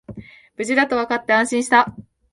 無事だとわかって安心した